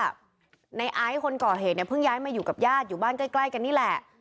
ในไอซ์คนก่อเหตุเนี่ยเพิ่งย้ายมาอยู่กับญาติอยู่บ้านใกล้กันนี่แหละ